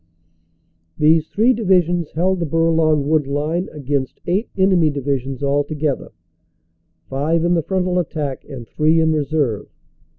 These three divisions held the Bourlon Wood line against eight enemy divisions altogether, five in the frontal attack and three in reserve.